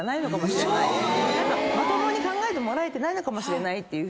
まともに考えてもらえてないのかもしれないって。